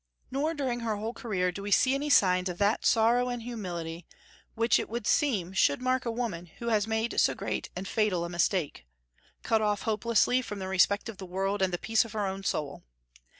Nor during her whole career do we see any signs of that sorrow and humility which, it would seem, should mark a woman who has made so great and fatal a mistake, cut off hopelessly from the respect of the world and the peace of her own soul.